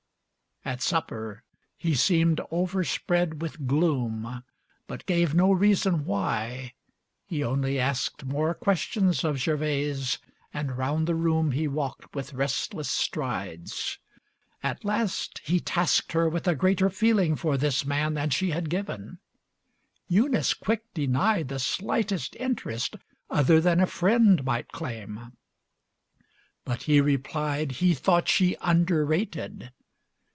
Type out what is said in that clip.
LIV At supper he seemed overspread with gloom, But gave no reason why, he only asked More questions of Gervase, and round the room He walked with restless strides. At last he tasked Her with a greater feeling for this man Than she had given. Eunice quick denied The slightest interest other than a friend Might claim. But he replied He thought she underrated.